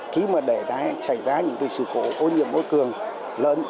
khi mà đã xảy ra những sự cố ô nhiễm bối cường lớn